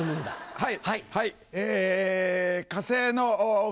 はい。